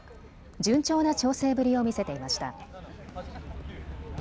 順調な調整ぶりを見せていました。